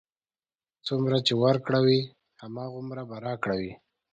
څومره چې ورکړه وي، هماغومره به راکړه وي.